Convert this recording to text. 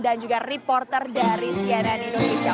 dan juga reporter dari gmn indonesia